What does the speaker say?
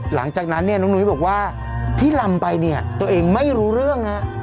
หลังจากนั้นเนี่ยน้องนุ้ยบอกว่าที่ลำไปเนี่ยตัวเองไม่รู้เรื่องนะ